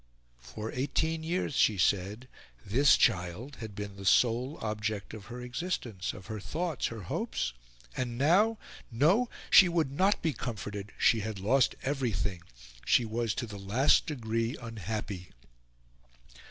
For eighteen years, she said, this child had been the sole object of her existence, of her thoughts, her hopes, and now no! she would not be comforted, she had lost everything, she was to the last degree unhappy.